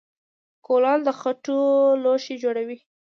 کولال د خټو لوښي جوړوي